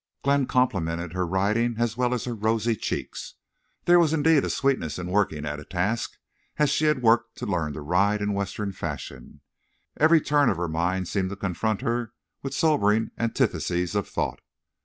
Glenn complimented her riding as well as her rosy cheeks. There was indeed a sweetness in working at a task as she had worked to learn to ride in Western fashion. Every turn of her mind seemed to confront her with sobering antitheses of thought.